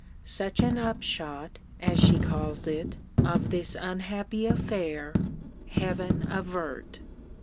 Such an upshot, as she calls it, of this unhappy affair, Heaven avert!